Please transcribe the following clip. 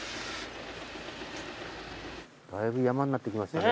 だいぶ山になってきましたね。